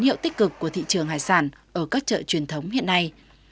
đây là một tín hiệu tích cực của thị trường hải sản ở các chợ truyền thống hiện nay